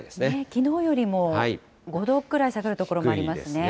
きのうよりも５度くらい下がる所もありますね。